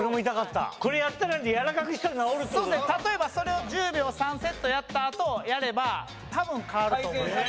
例えばそれを１０秒３セットやったあとやれば多分変わると思います。